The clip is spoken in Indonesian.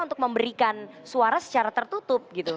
untuk memberikan suara secara tertutup gitu